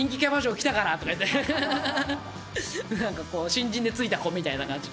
新人でついた子みたいな感じ。